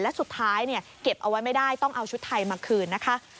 และสุดท้ายเก็บเอาไว้ไม่ได้ต้องเอาชุดไทยมาคืนนะคะ